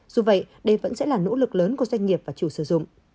dù vậy đây vẫn sẽ là nỗ lực lớn của doanh nghiệp và chủ sử dụng